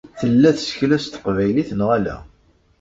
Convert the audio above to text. Tella tsekla s teqbaylit neɣ ala?